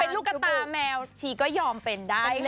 เป็นลูกกระตาแมวชีก็ยอมเป็นได้ค่ะ